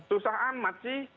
susah amat sih